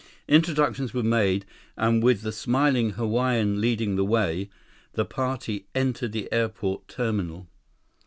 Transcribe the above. Introductions were made, and with the smiling Hawaiian leading the way, the party entered the airport terminal.